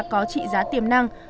có trị giá tiềm năng